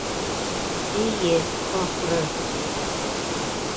Эйе, ахыры...